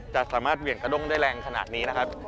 จะสามารถเหวี่ยงกระด้งได้แรงขนาดนี้นะครับ